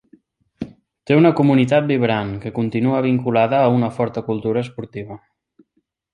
Té una comunitat vibrant, que continua vinculada a una forta cultura esportiva.